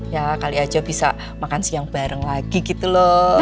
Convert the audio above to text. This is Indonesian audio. ya kali aja bisa makan siang bareng lagi gitu loh